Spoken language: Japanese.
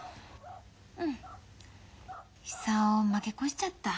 うん久男負け越しちゃった。